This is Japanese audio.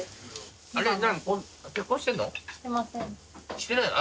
してないの？